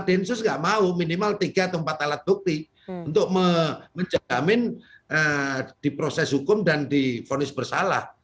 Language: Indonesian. densus nggak mau minimal tiga atau empat alat bukti untuk menjamin diproses hukum dan difonis bersalah